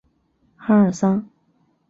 阿尔桑。